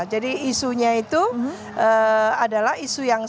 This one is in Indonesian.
jadi isunya itu adalah isu yang sangat